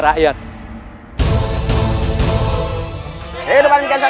kisana dan kepentingan kita